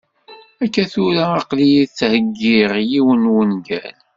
Akka tura, aql-iyi ttheggiɣ yiwen n wungal.